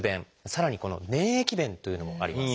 さらにこの「粘液便」というのもあります。